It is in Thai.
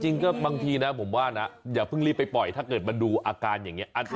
จริงก็บางทีนะผมว่านะอย่าเพิ่งรีบไปปล่อยถ้าเกิดมาดูอาการอย่างนี้